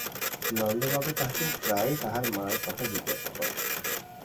নন্দবাবু তাহকে প্রায়ই তাহার মার কথা জিজ্ঞাসা করে।